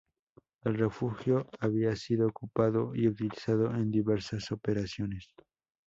El refugio había sido ocupado y utilizado en diversas operaciones.